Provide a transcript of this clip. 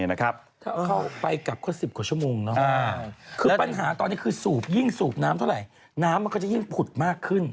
ถ้าเข้าไปกลับก็๑๐กว่าชั่วโมงคือปัญหาตอนนี้คือสูบยิ่งสูบน้ำเท่าไหร่น้ำมันก็จะยิ่งผุดมากขึ้น